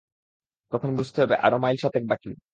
তখন বুঝতে হবে আরো মাইল সাতেক বাকি।